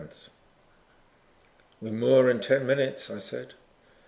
] "We moor in ten minutes," I said.